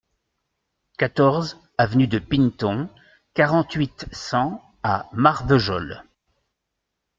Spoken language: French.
quatorze avenue de Pineton, quarante-huit, cent à Marvejols